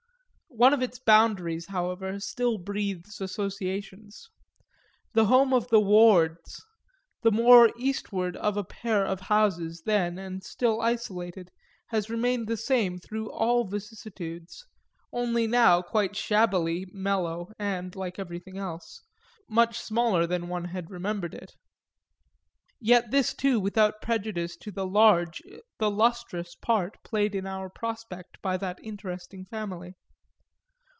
One of its boundaries, however, still breathes associations the home of the Wards, the more eastward of a pair of houses then and still isolated has remained the same through all vicissitudes, only now quite shabbily mellow and, like everything else, much smaller than one had remembered it; yet this too without prejudice to the large, the lustrous part played in our prospect by that interesting family.